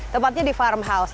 tempatnya di farmhouse